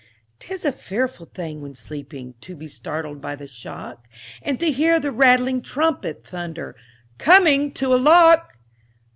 'Tis a fearful thing when sleeping To be startled by the shock, And to hear the rattling trumpet Thunder, "Coming to a lock!"